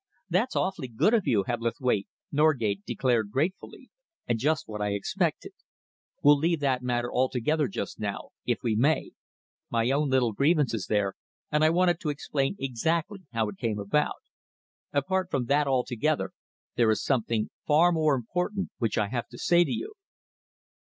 "That's awfully good of you, Hebblethwaite," Norgate declared gratefully, "and just what I expected. We'll leave that matter altogether just now, if we may. My own little grievance is there, and I wanted to explain exactly how it came about. Apart from that altogether, there is something far more important which I have to say to you."